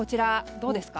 どうですか？